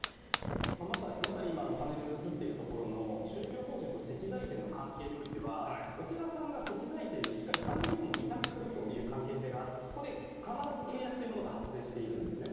まさに今パネルで映っているところの宗教法人と石材店の関係においてはお寺さんが石材店にしっかり管理業務を委託する関係性があってそこで必ず契約というものが発生しているんですね。